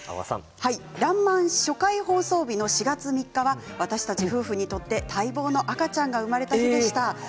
ドラマ初回放送日の４月３日は私たち夫婦にとって、待望の赤ちゃんが生まれた日でした。